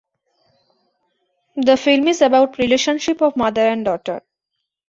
The film is about relationship of mother and daughter.